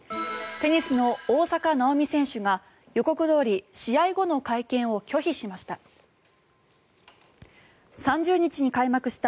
テニスの大坂なおみ選手が予告どおり、試合後の会見を拒否しました。